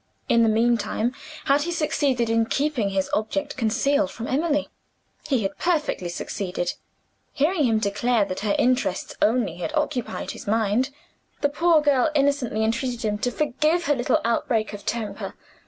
In the meantime, had he succeeded in keeping his object concealed from Emily? He had perfectly succeeded. Hearing him declare that her interests only had occupied his mind, the poor girl innocently entreated him to forgive her little outbreak of temper.